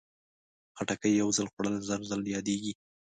خټکی یو ځل خوړل، زر ځل یادېږي.